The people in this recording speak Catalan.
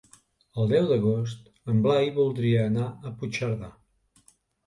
El deu d'agost en Blai voldria anar a Puigcerdà.